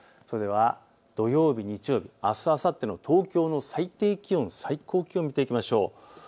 それでは土曜日、日曜日あすあさっての東京の最低気温最高気温を見ていきましょう。